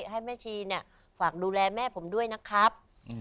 ให้แม่ชีเนี่ยฝากดูแลแม่ผมด้วยนะครับ